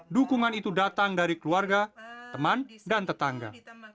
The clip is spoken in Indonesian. dukungan itu datang dari keluarga teman dan tetangga